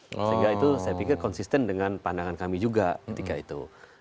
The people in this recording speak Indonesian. sehingga itu saya pikir konsisten dengan pandangan kami juga ketika itu